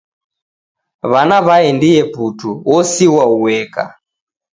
W'ana w'aendie putu, osighwa ueka.